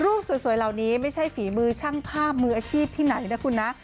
สวยเหล่านี้ไม่ใช่ฝีมือช่างภาพมืออาชีพที่ไหนนะคุณนะ